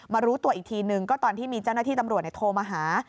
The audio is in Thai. รู้ตัวอีกทีนึงก็ตอนที่มีเจ้าหน้าที่ตำรวจโทรมาหา